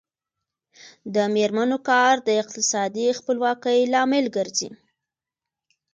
د میرمنو کار د اقتصادي خپلواکۍ لامل ګرځي.